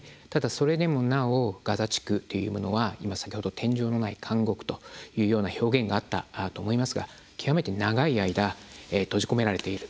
それでもなおガザ地区っていうものは先ほど、天井のない監獄という表現があったと思いますが極めて長い間閉じ込められている。